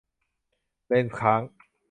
เลนส์ค้าง